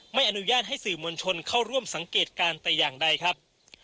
ไม่อนุญาตให้สื่อมวลชนเข้าร่วมสังเกตการณ์แต่อย่างใดครับ